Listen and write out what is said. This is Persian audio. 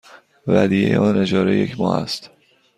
ودیعه آن اجاره یک ماه است.